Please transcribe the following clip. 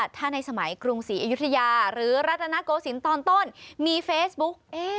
ถ้าในสมัยกรุงศรีอยุธยาหรือรัฐนาโกศิลป์ตอนต้นมีเฟซบุ๊ก